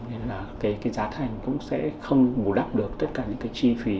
nên là cái giá thành cũng sẽ không bù đắp được tất cả những cái chi phí